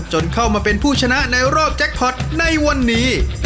จนเข้ามาเป็นผู้ชนะในรอบแจ็คพอร์ตในวันนี้